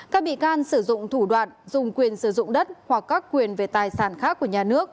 các bị can sử dụng thủ đoạn dùng quyền sử dụng đất hoặc các quyền về tài sản khác của nhà nước